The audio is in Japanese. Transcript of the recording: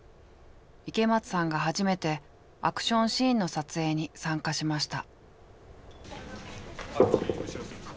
池松さんが初めてアクションシーンの撮影に参加しました。